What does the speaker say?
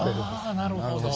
あなるほど。